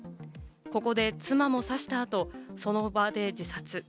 ここで妻も刺した後、その場で自殺。